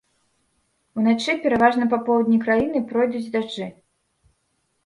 Уначы пераважна па поўдні краіны пройдуць дажджы.